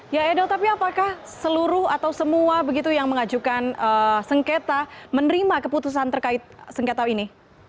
ya edo tapi apakah seluruh atau semua begitu yang mengajukan sengketa menerima keputusan terkait sengketa ini